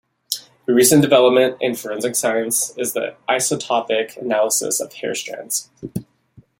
A recent development in forensic science is the isotopic analysis of hair strands.